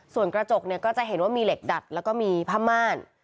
ส่วนกระจกเนี่ยก็จะเห็นว่ามีเหล็กดัดแล้วก็มีผ้าม่าน